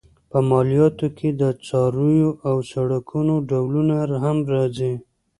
په مالیاتو کې د څارویو او سړکونو ډولونه هم راځي.